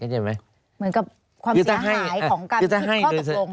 เหมือนกับความเสียหายของการคิดข้อตกลง